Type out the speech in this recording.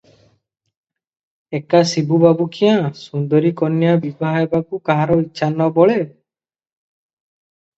ଏକା ଶିବୁ ବାବୁ କ୍ୟାଁ, ସୁନ୍ଦରୀ କନ୍ୟା ବିଭା ହେବାକୁ କାହାର ଇଚ୍ଛା ନ ବଳେ?